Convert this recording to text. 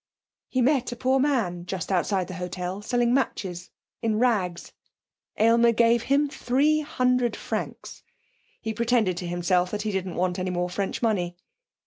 He met a poor man just outside the hotel selling matches, in rags. Aylmer gave him three hundred francs. He pretended to himself that he didn't want any more French money.